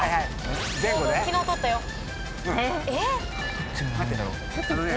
どっちが長いんだろう？